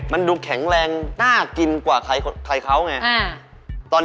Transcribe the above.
มันดูแข็งแรงน่ากินกว่าใครเขาไง